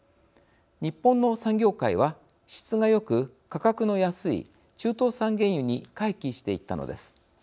日本の産業界は質がよく価格の安い中東産原油に回帰していったのです。